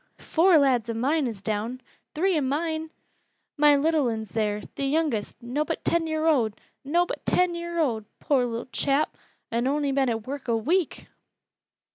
"Four lads o' mine is down!" "Three o' mine!" "My little un's theer th' youngest nobbut ten year owd nobbut ten year owd, poor little chap! an' ony been at work a week!"